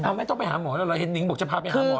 ไม่ต้องไปหาหมอแล้วเหรอเห็นนิงบอกจะพาไปหาหมอ